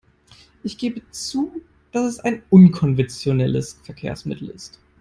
Ich gebe zu, dass es ein unkonventionelles Verkehrsmittel ist.